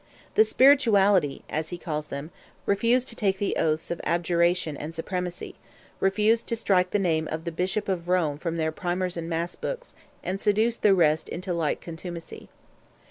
"The spirituality," as he calls them, refused to take the oaths of abjuration and supremacy; refused to strike the name of the Bishop of Rome from their primers and mass books, and seduced the rest into like contumacy.